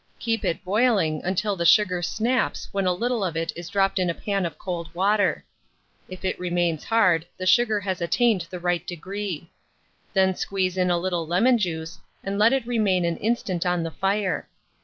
Keep it boiling until the sugar snaps when a little of it is dropped in a pan of cold water. If it remains hard, the sugar has attained the right degree; then squeeze in a little lemon juice, and let it remain an instant on the fire.